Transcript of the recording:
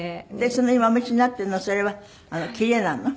その今お召しになってるのはそれは切れなの？